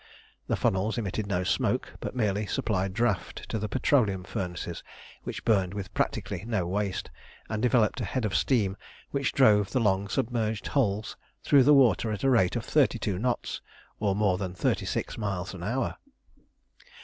The funnels emitted no smoke, but merely supplied draught to the petroleum furnaces, which burned with practically no waste, and developed a head of steam which drove the long submerged hulls through the water at a rate of thirty two knots, or more than thirty six miles an hour.